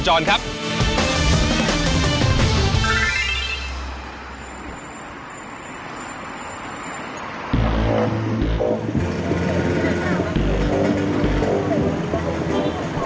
แดนดันไนสมุทรโภจร